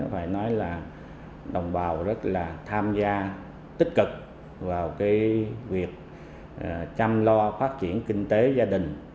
phải nói là đồng bào rất là tham gia tích cực vào cái việc chăm lo phát triển kinh tế gia đình